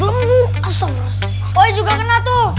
tu bullsh rj bangenez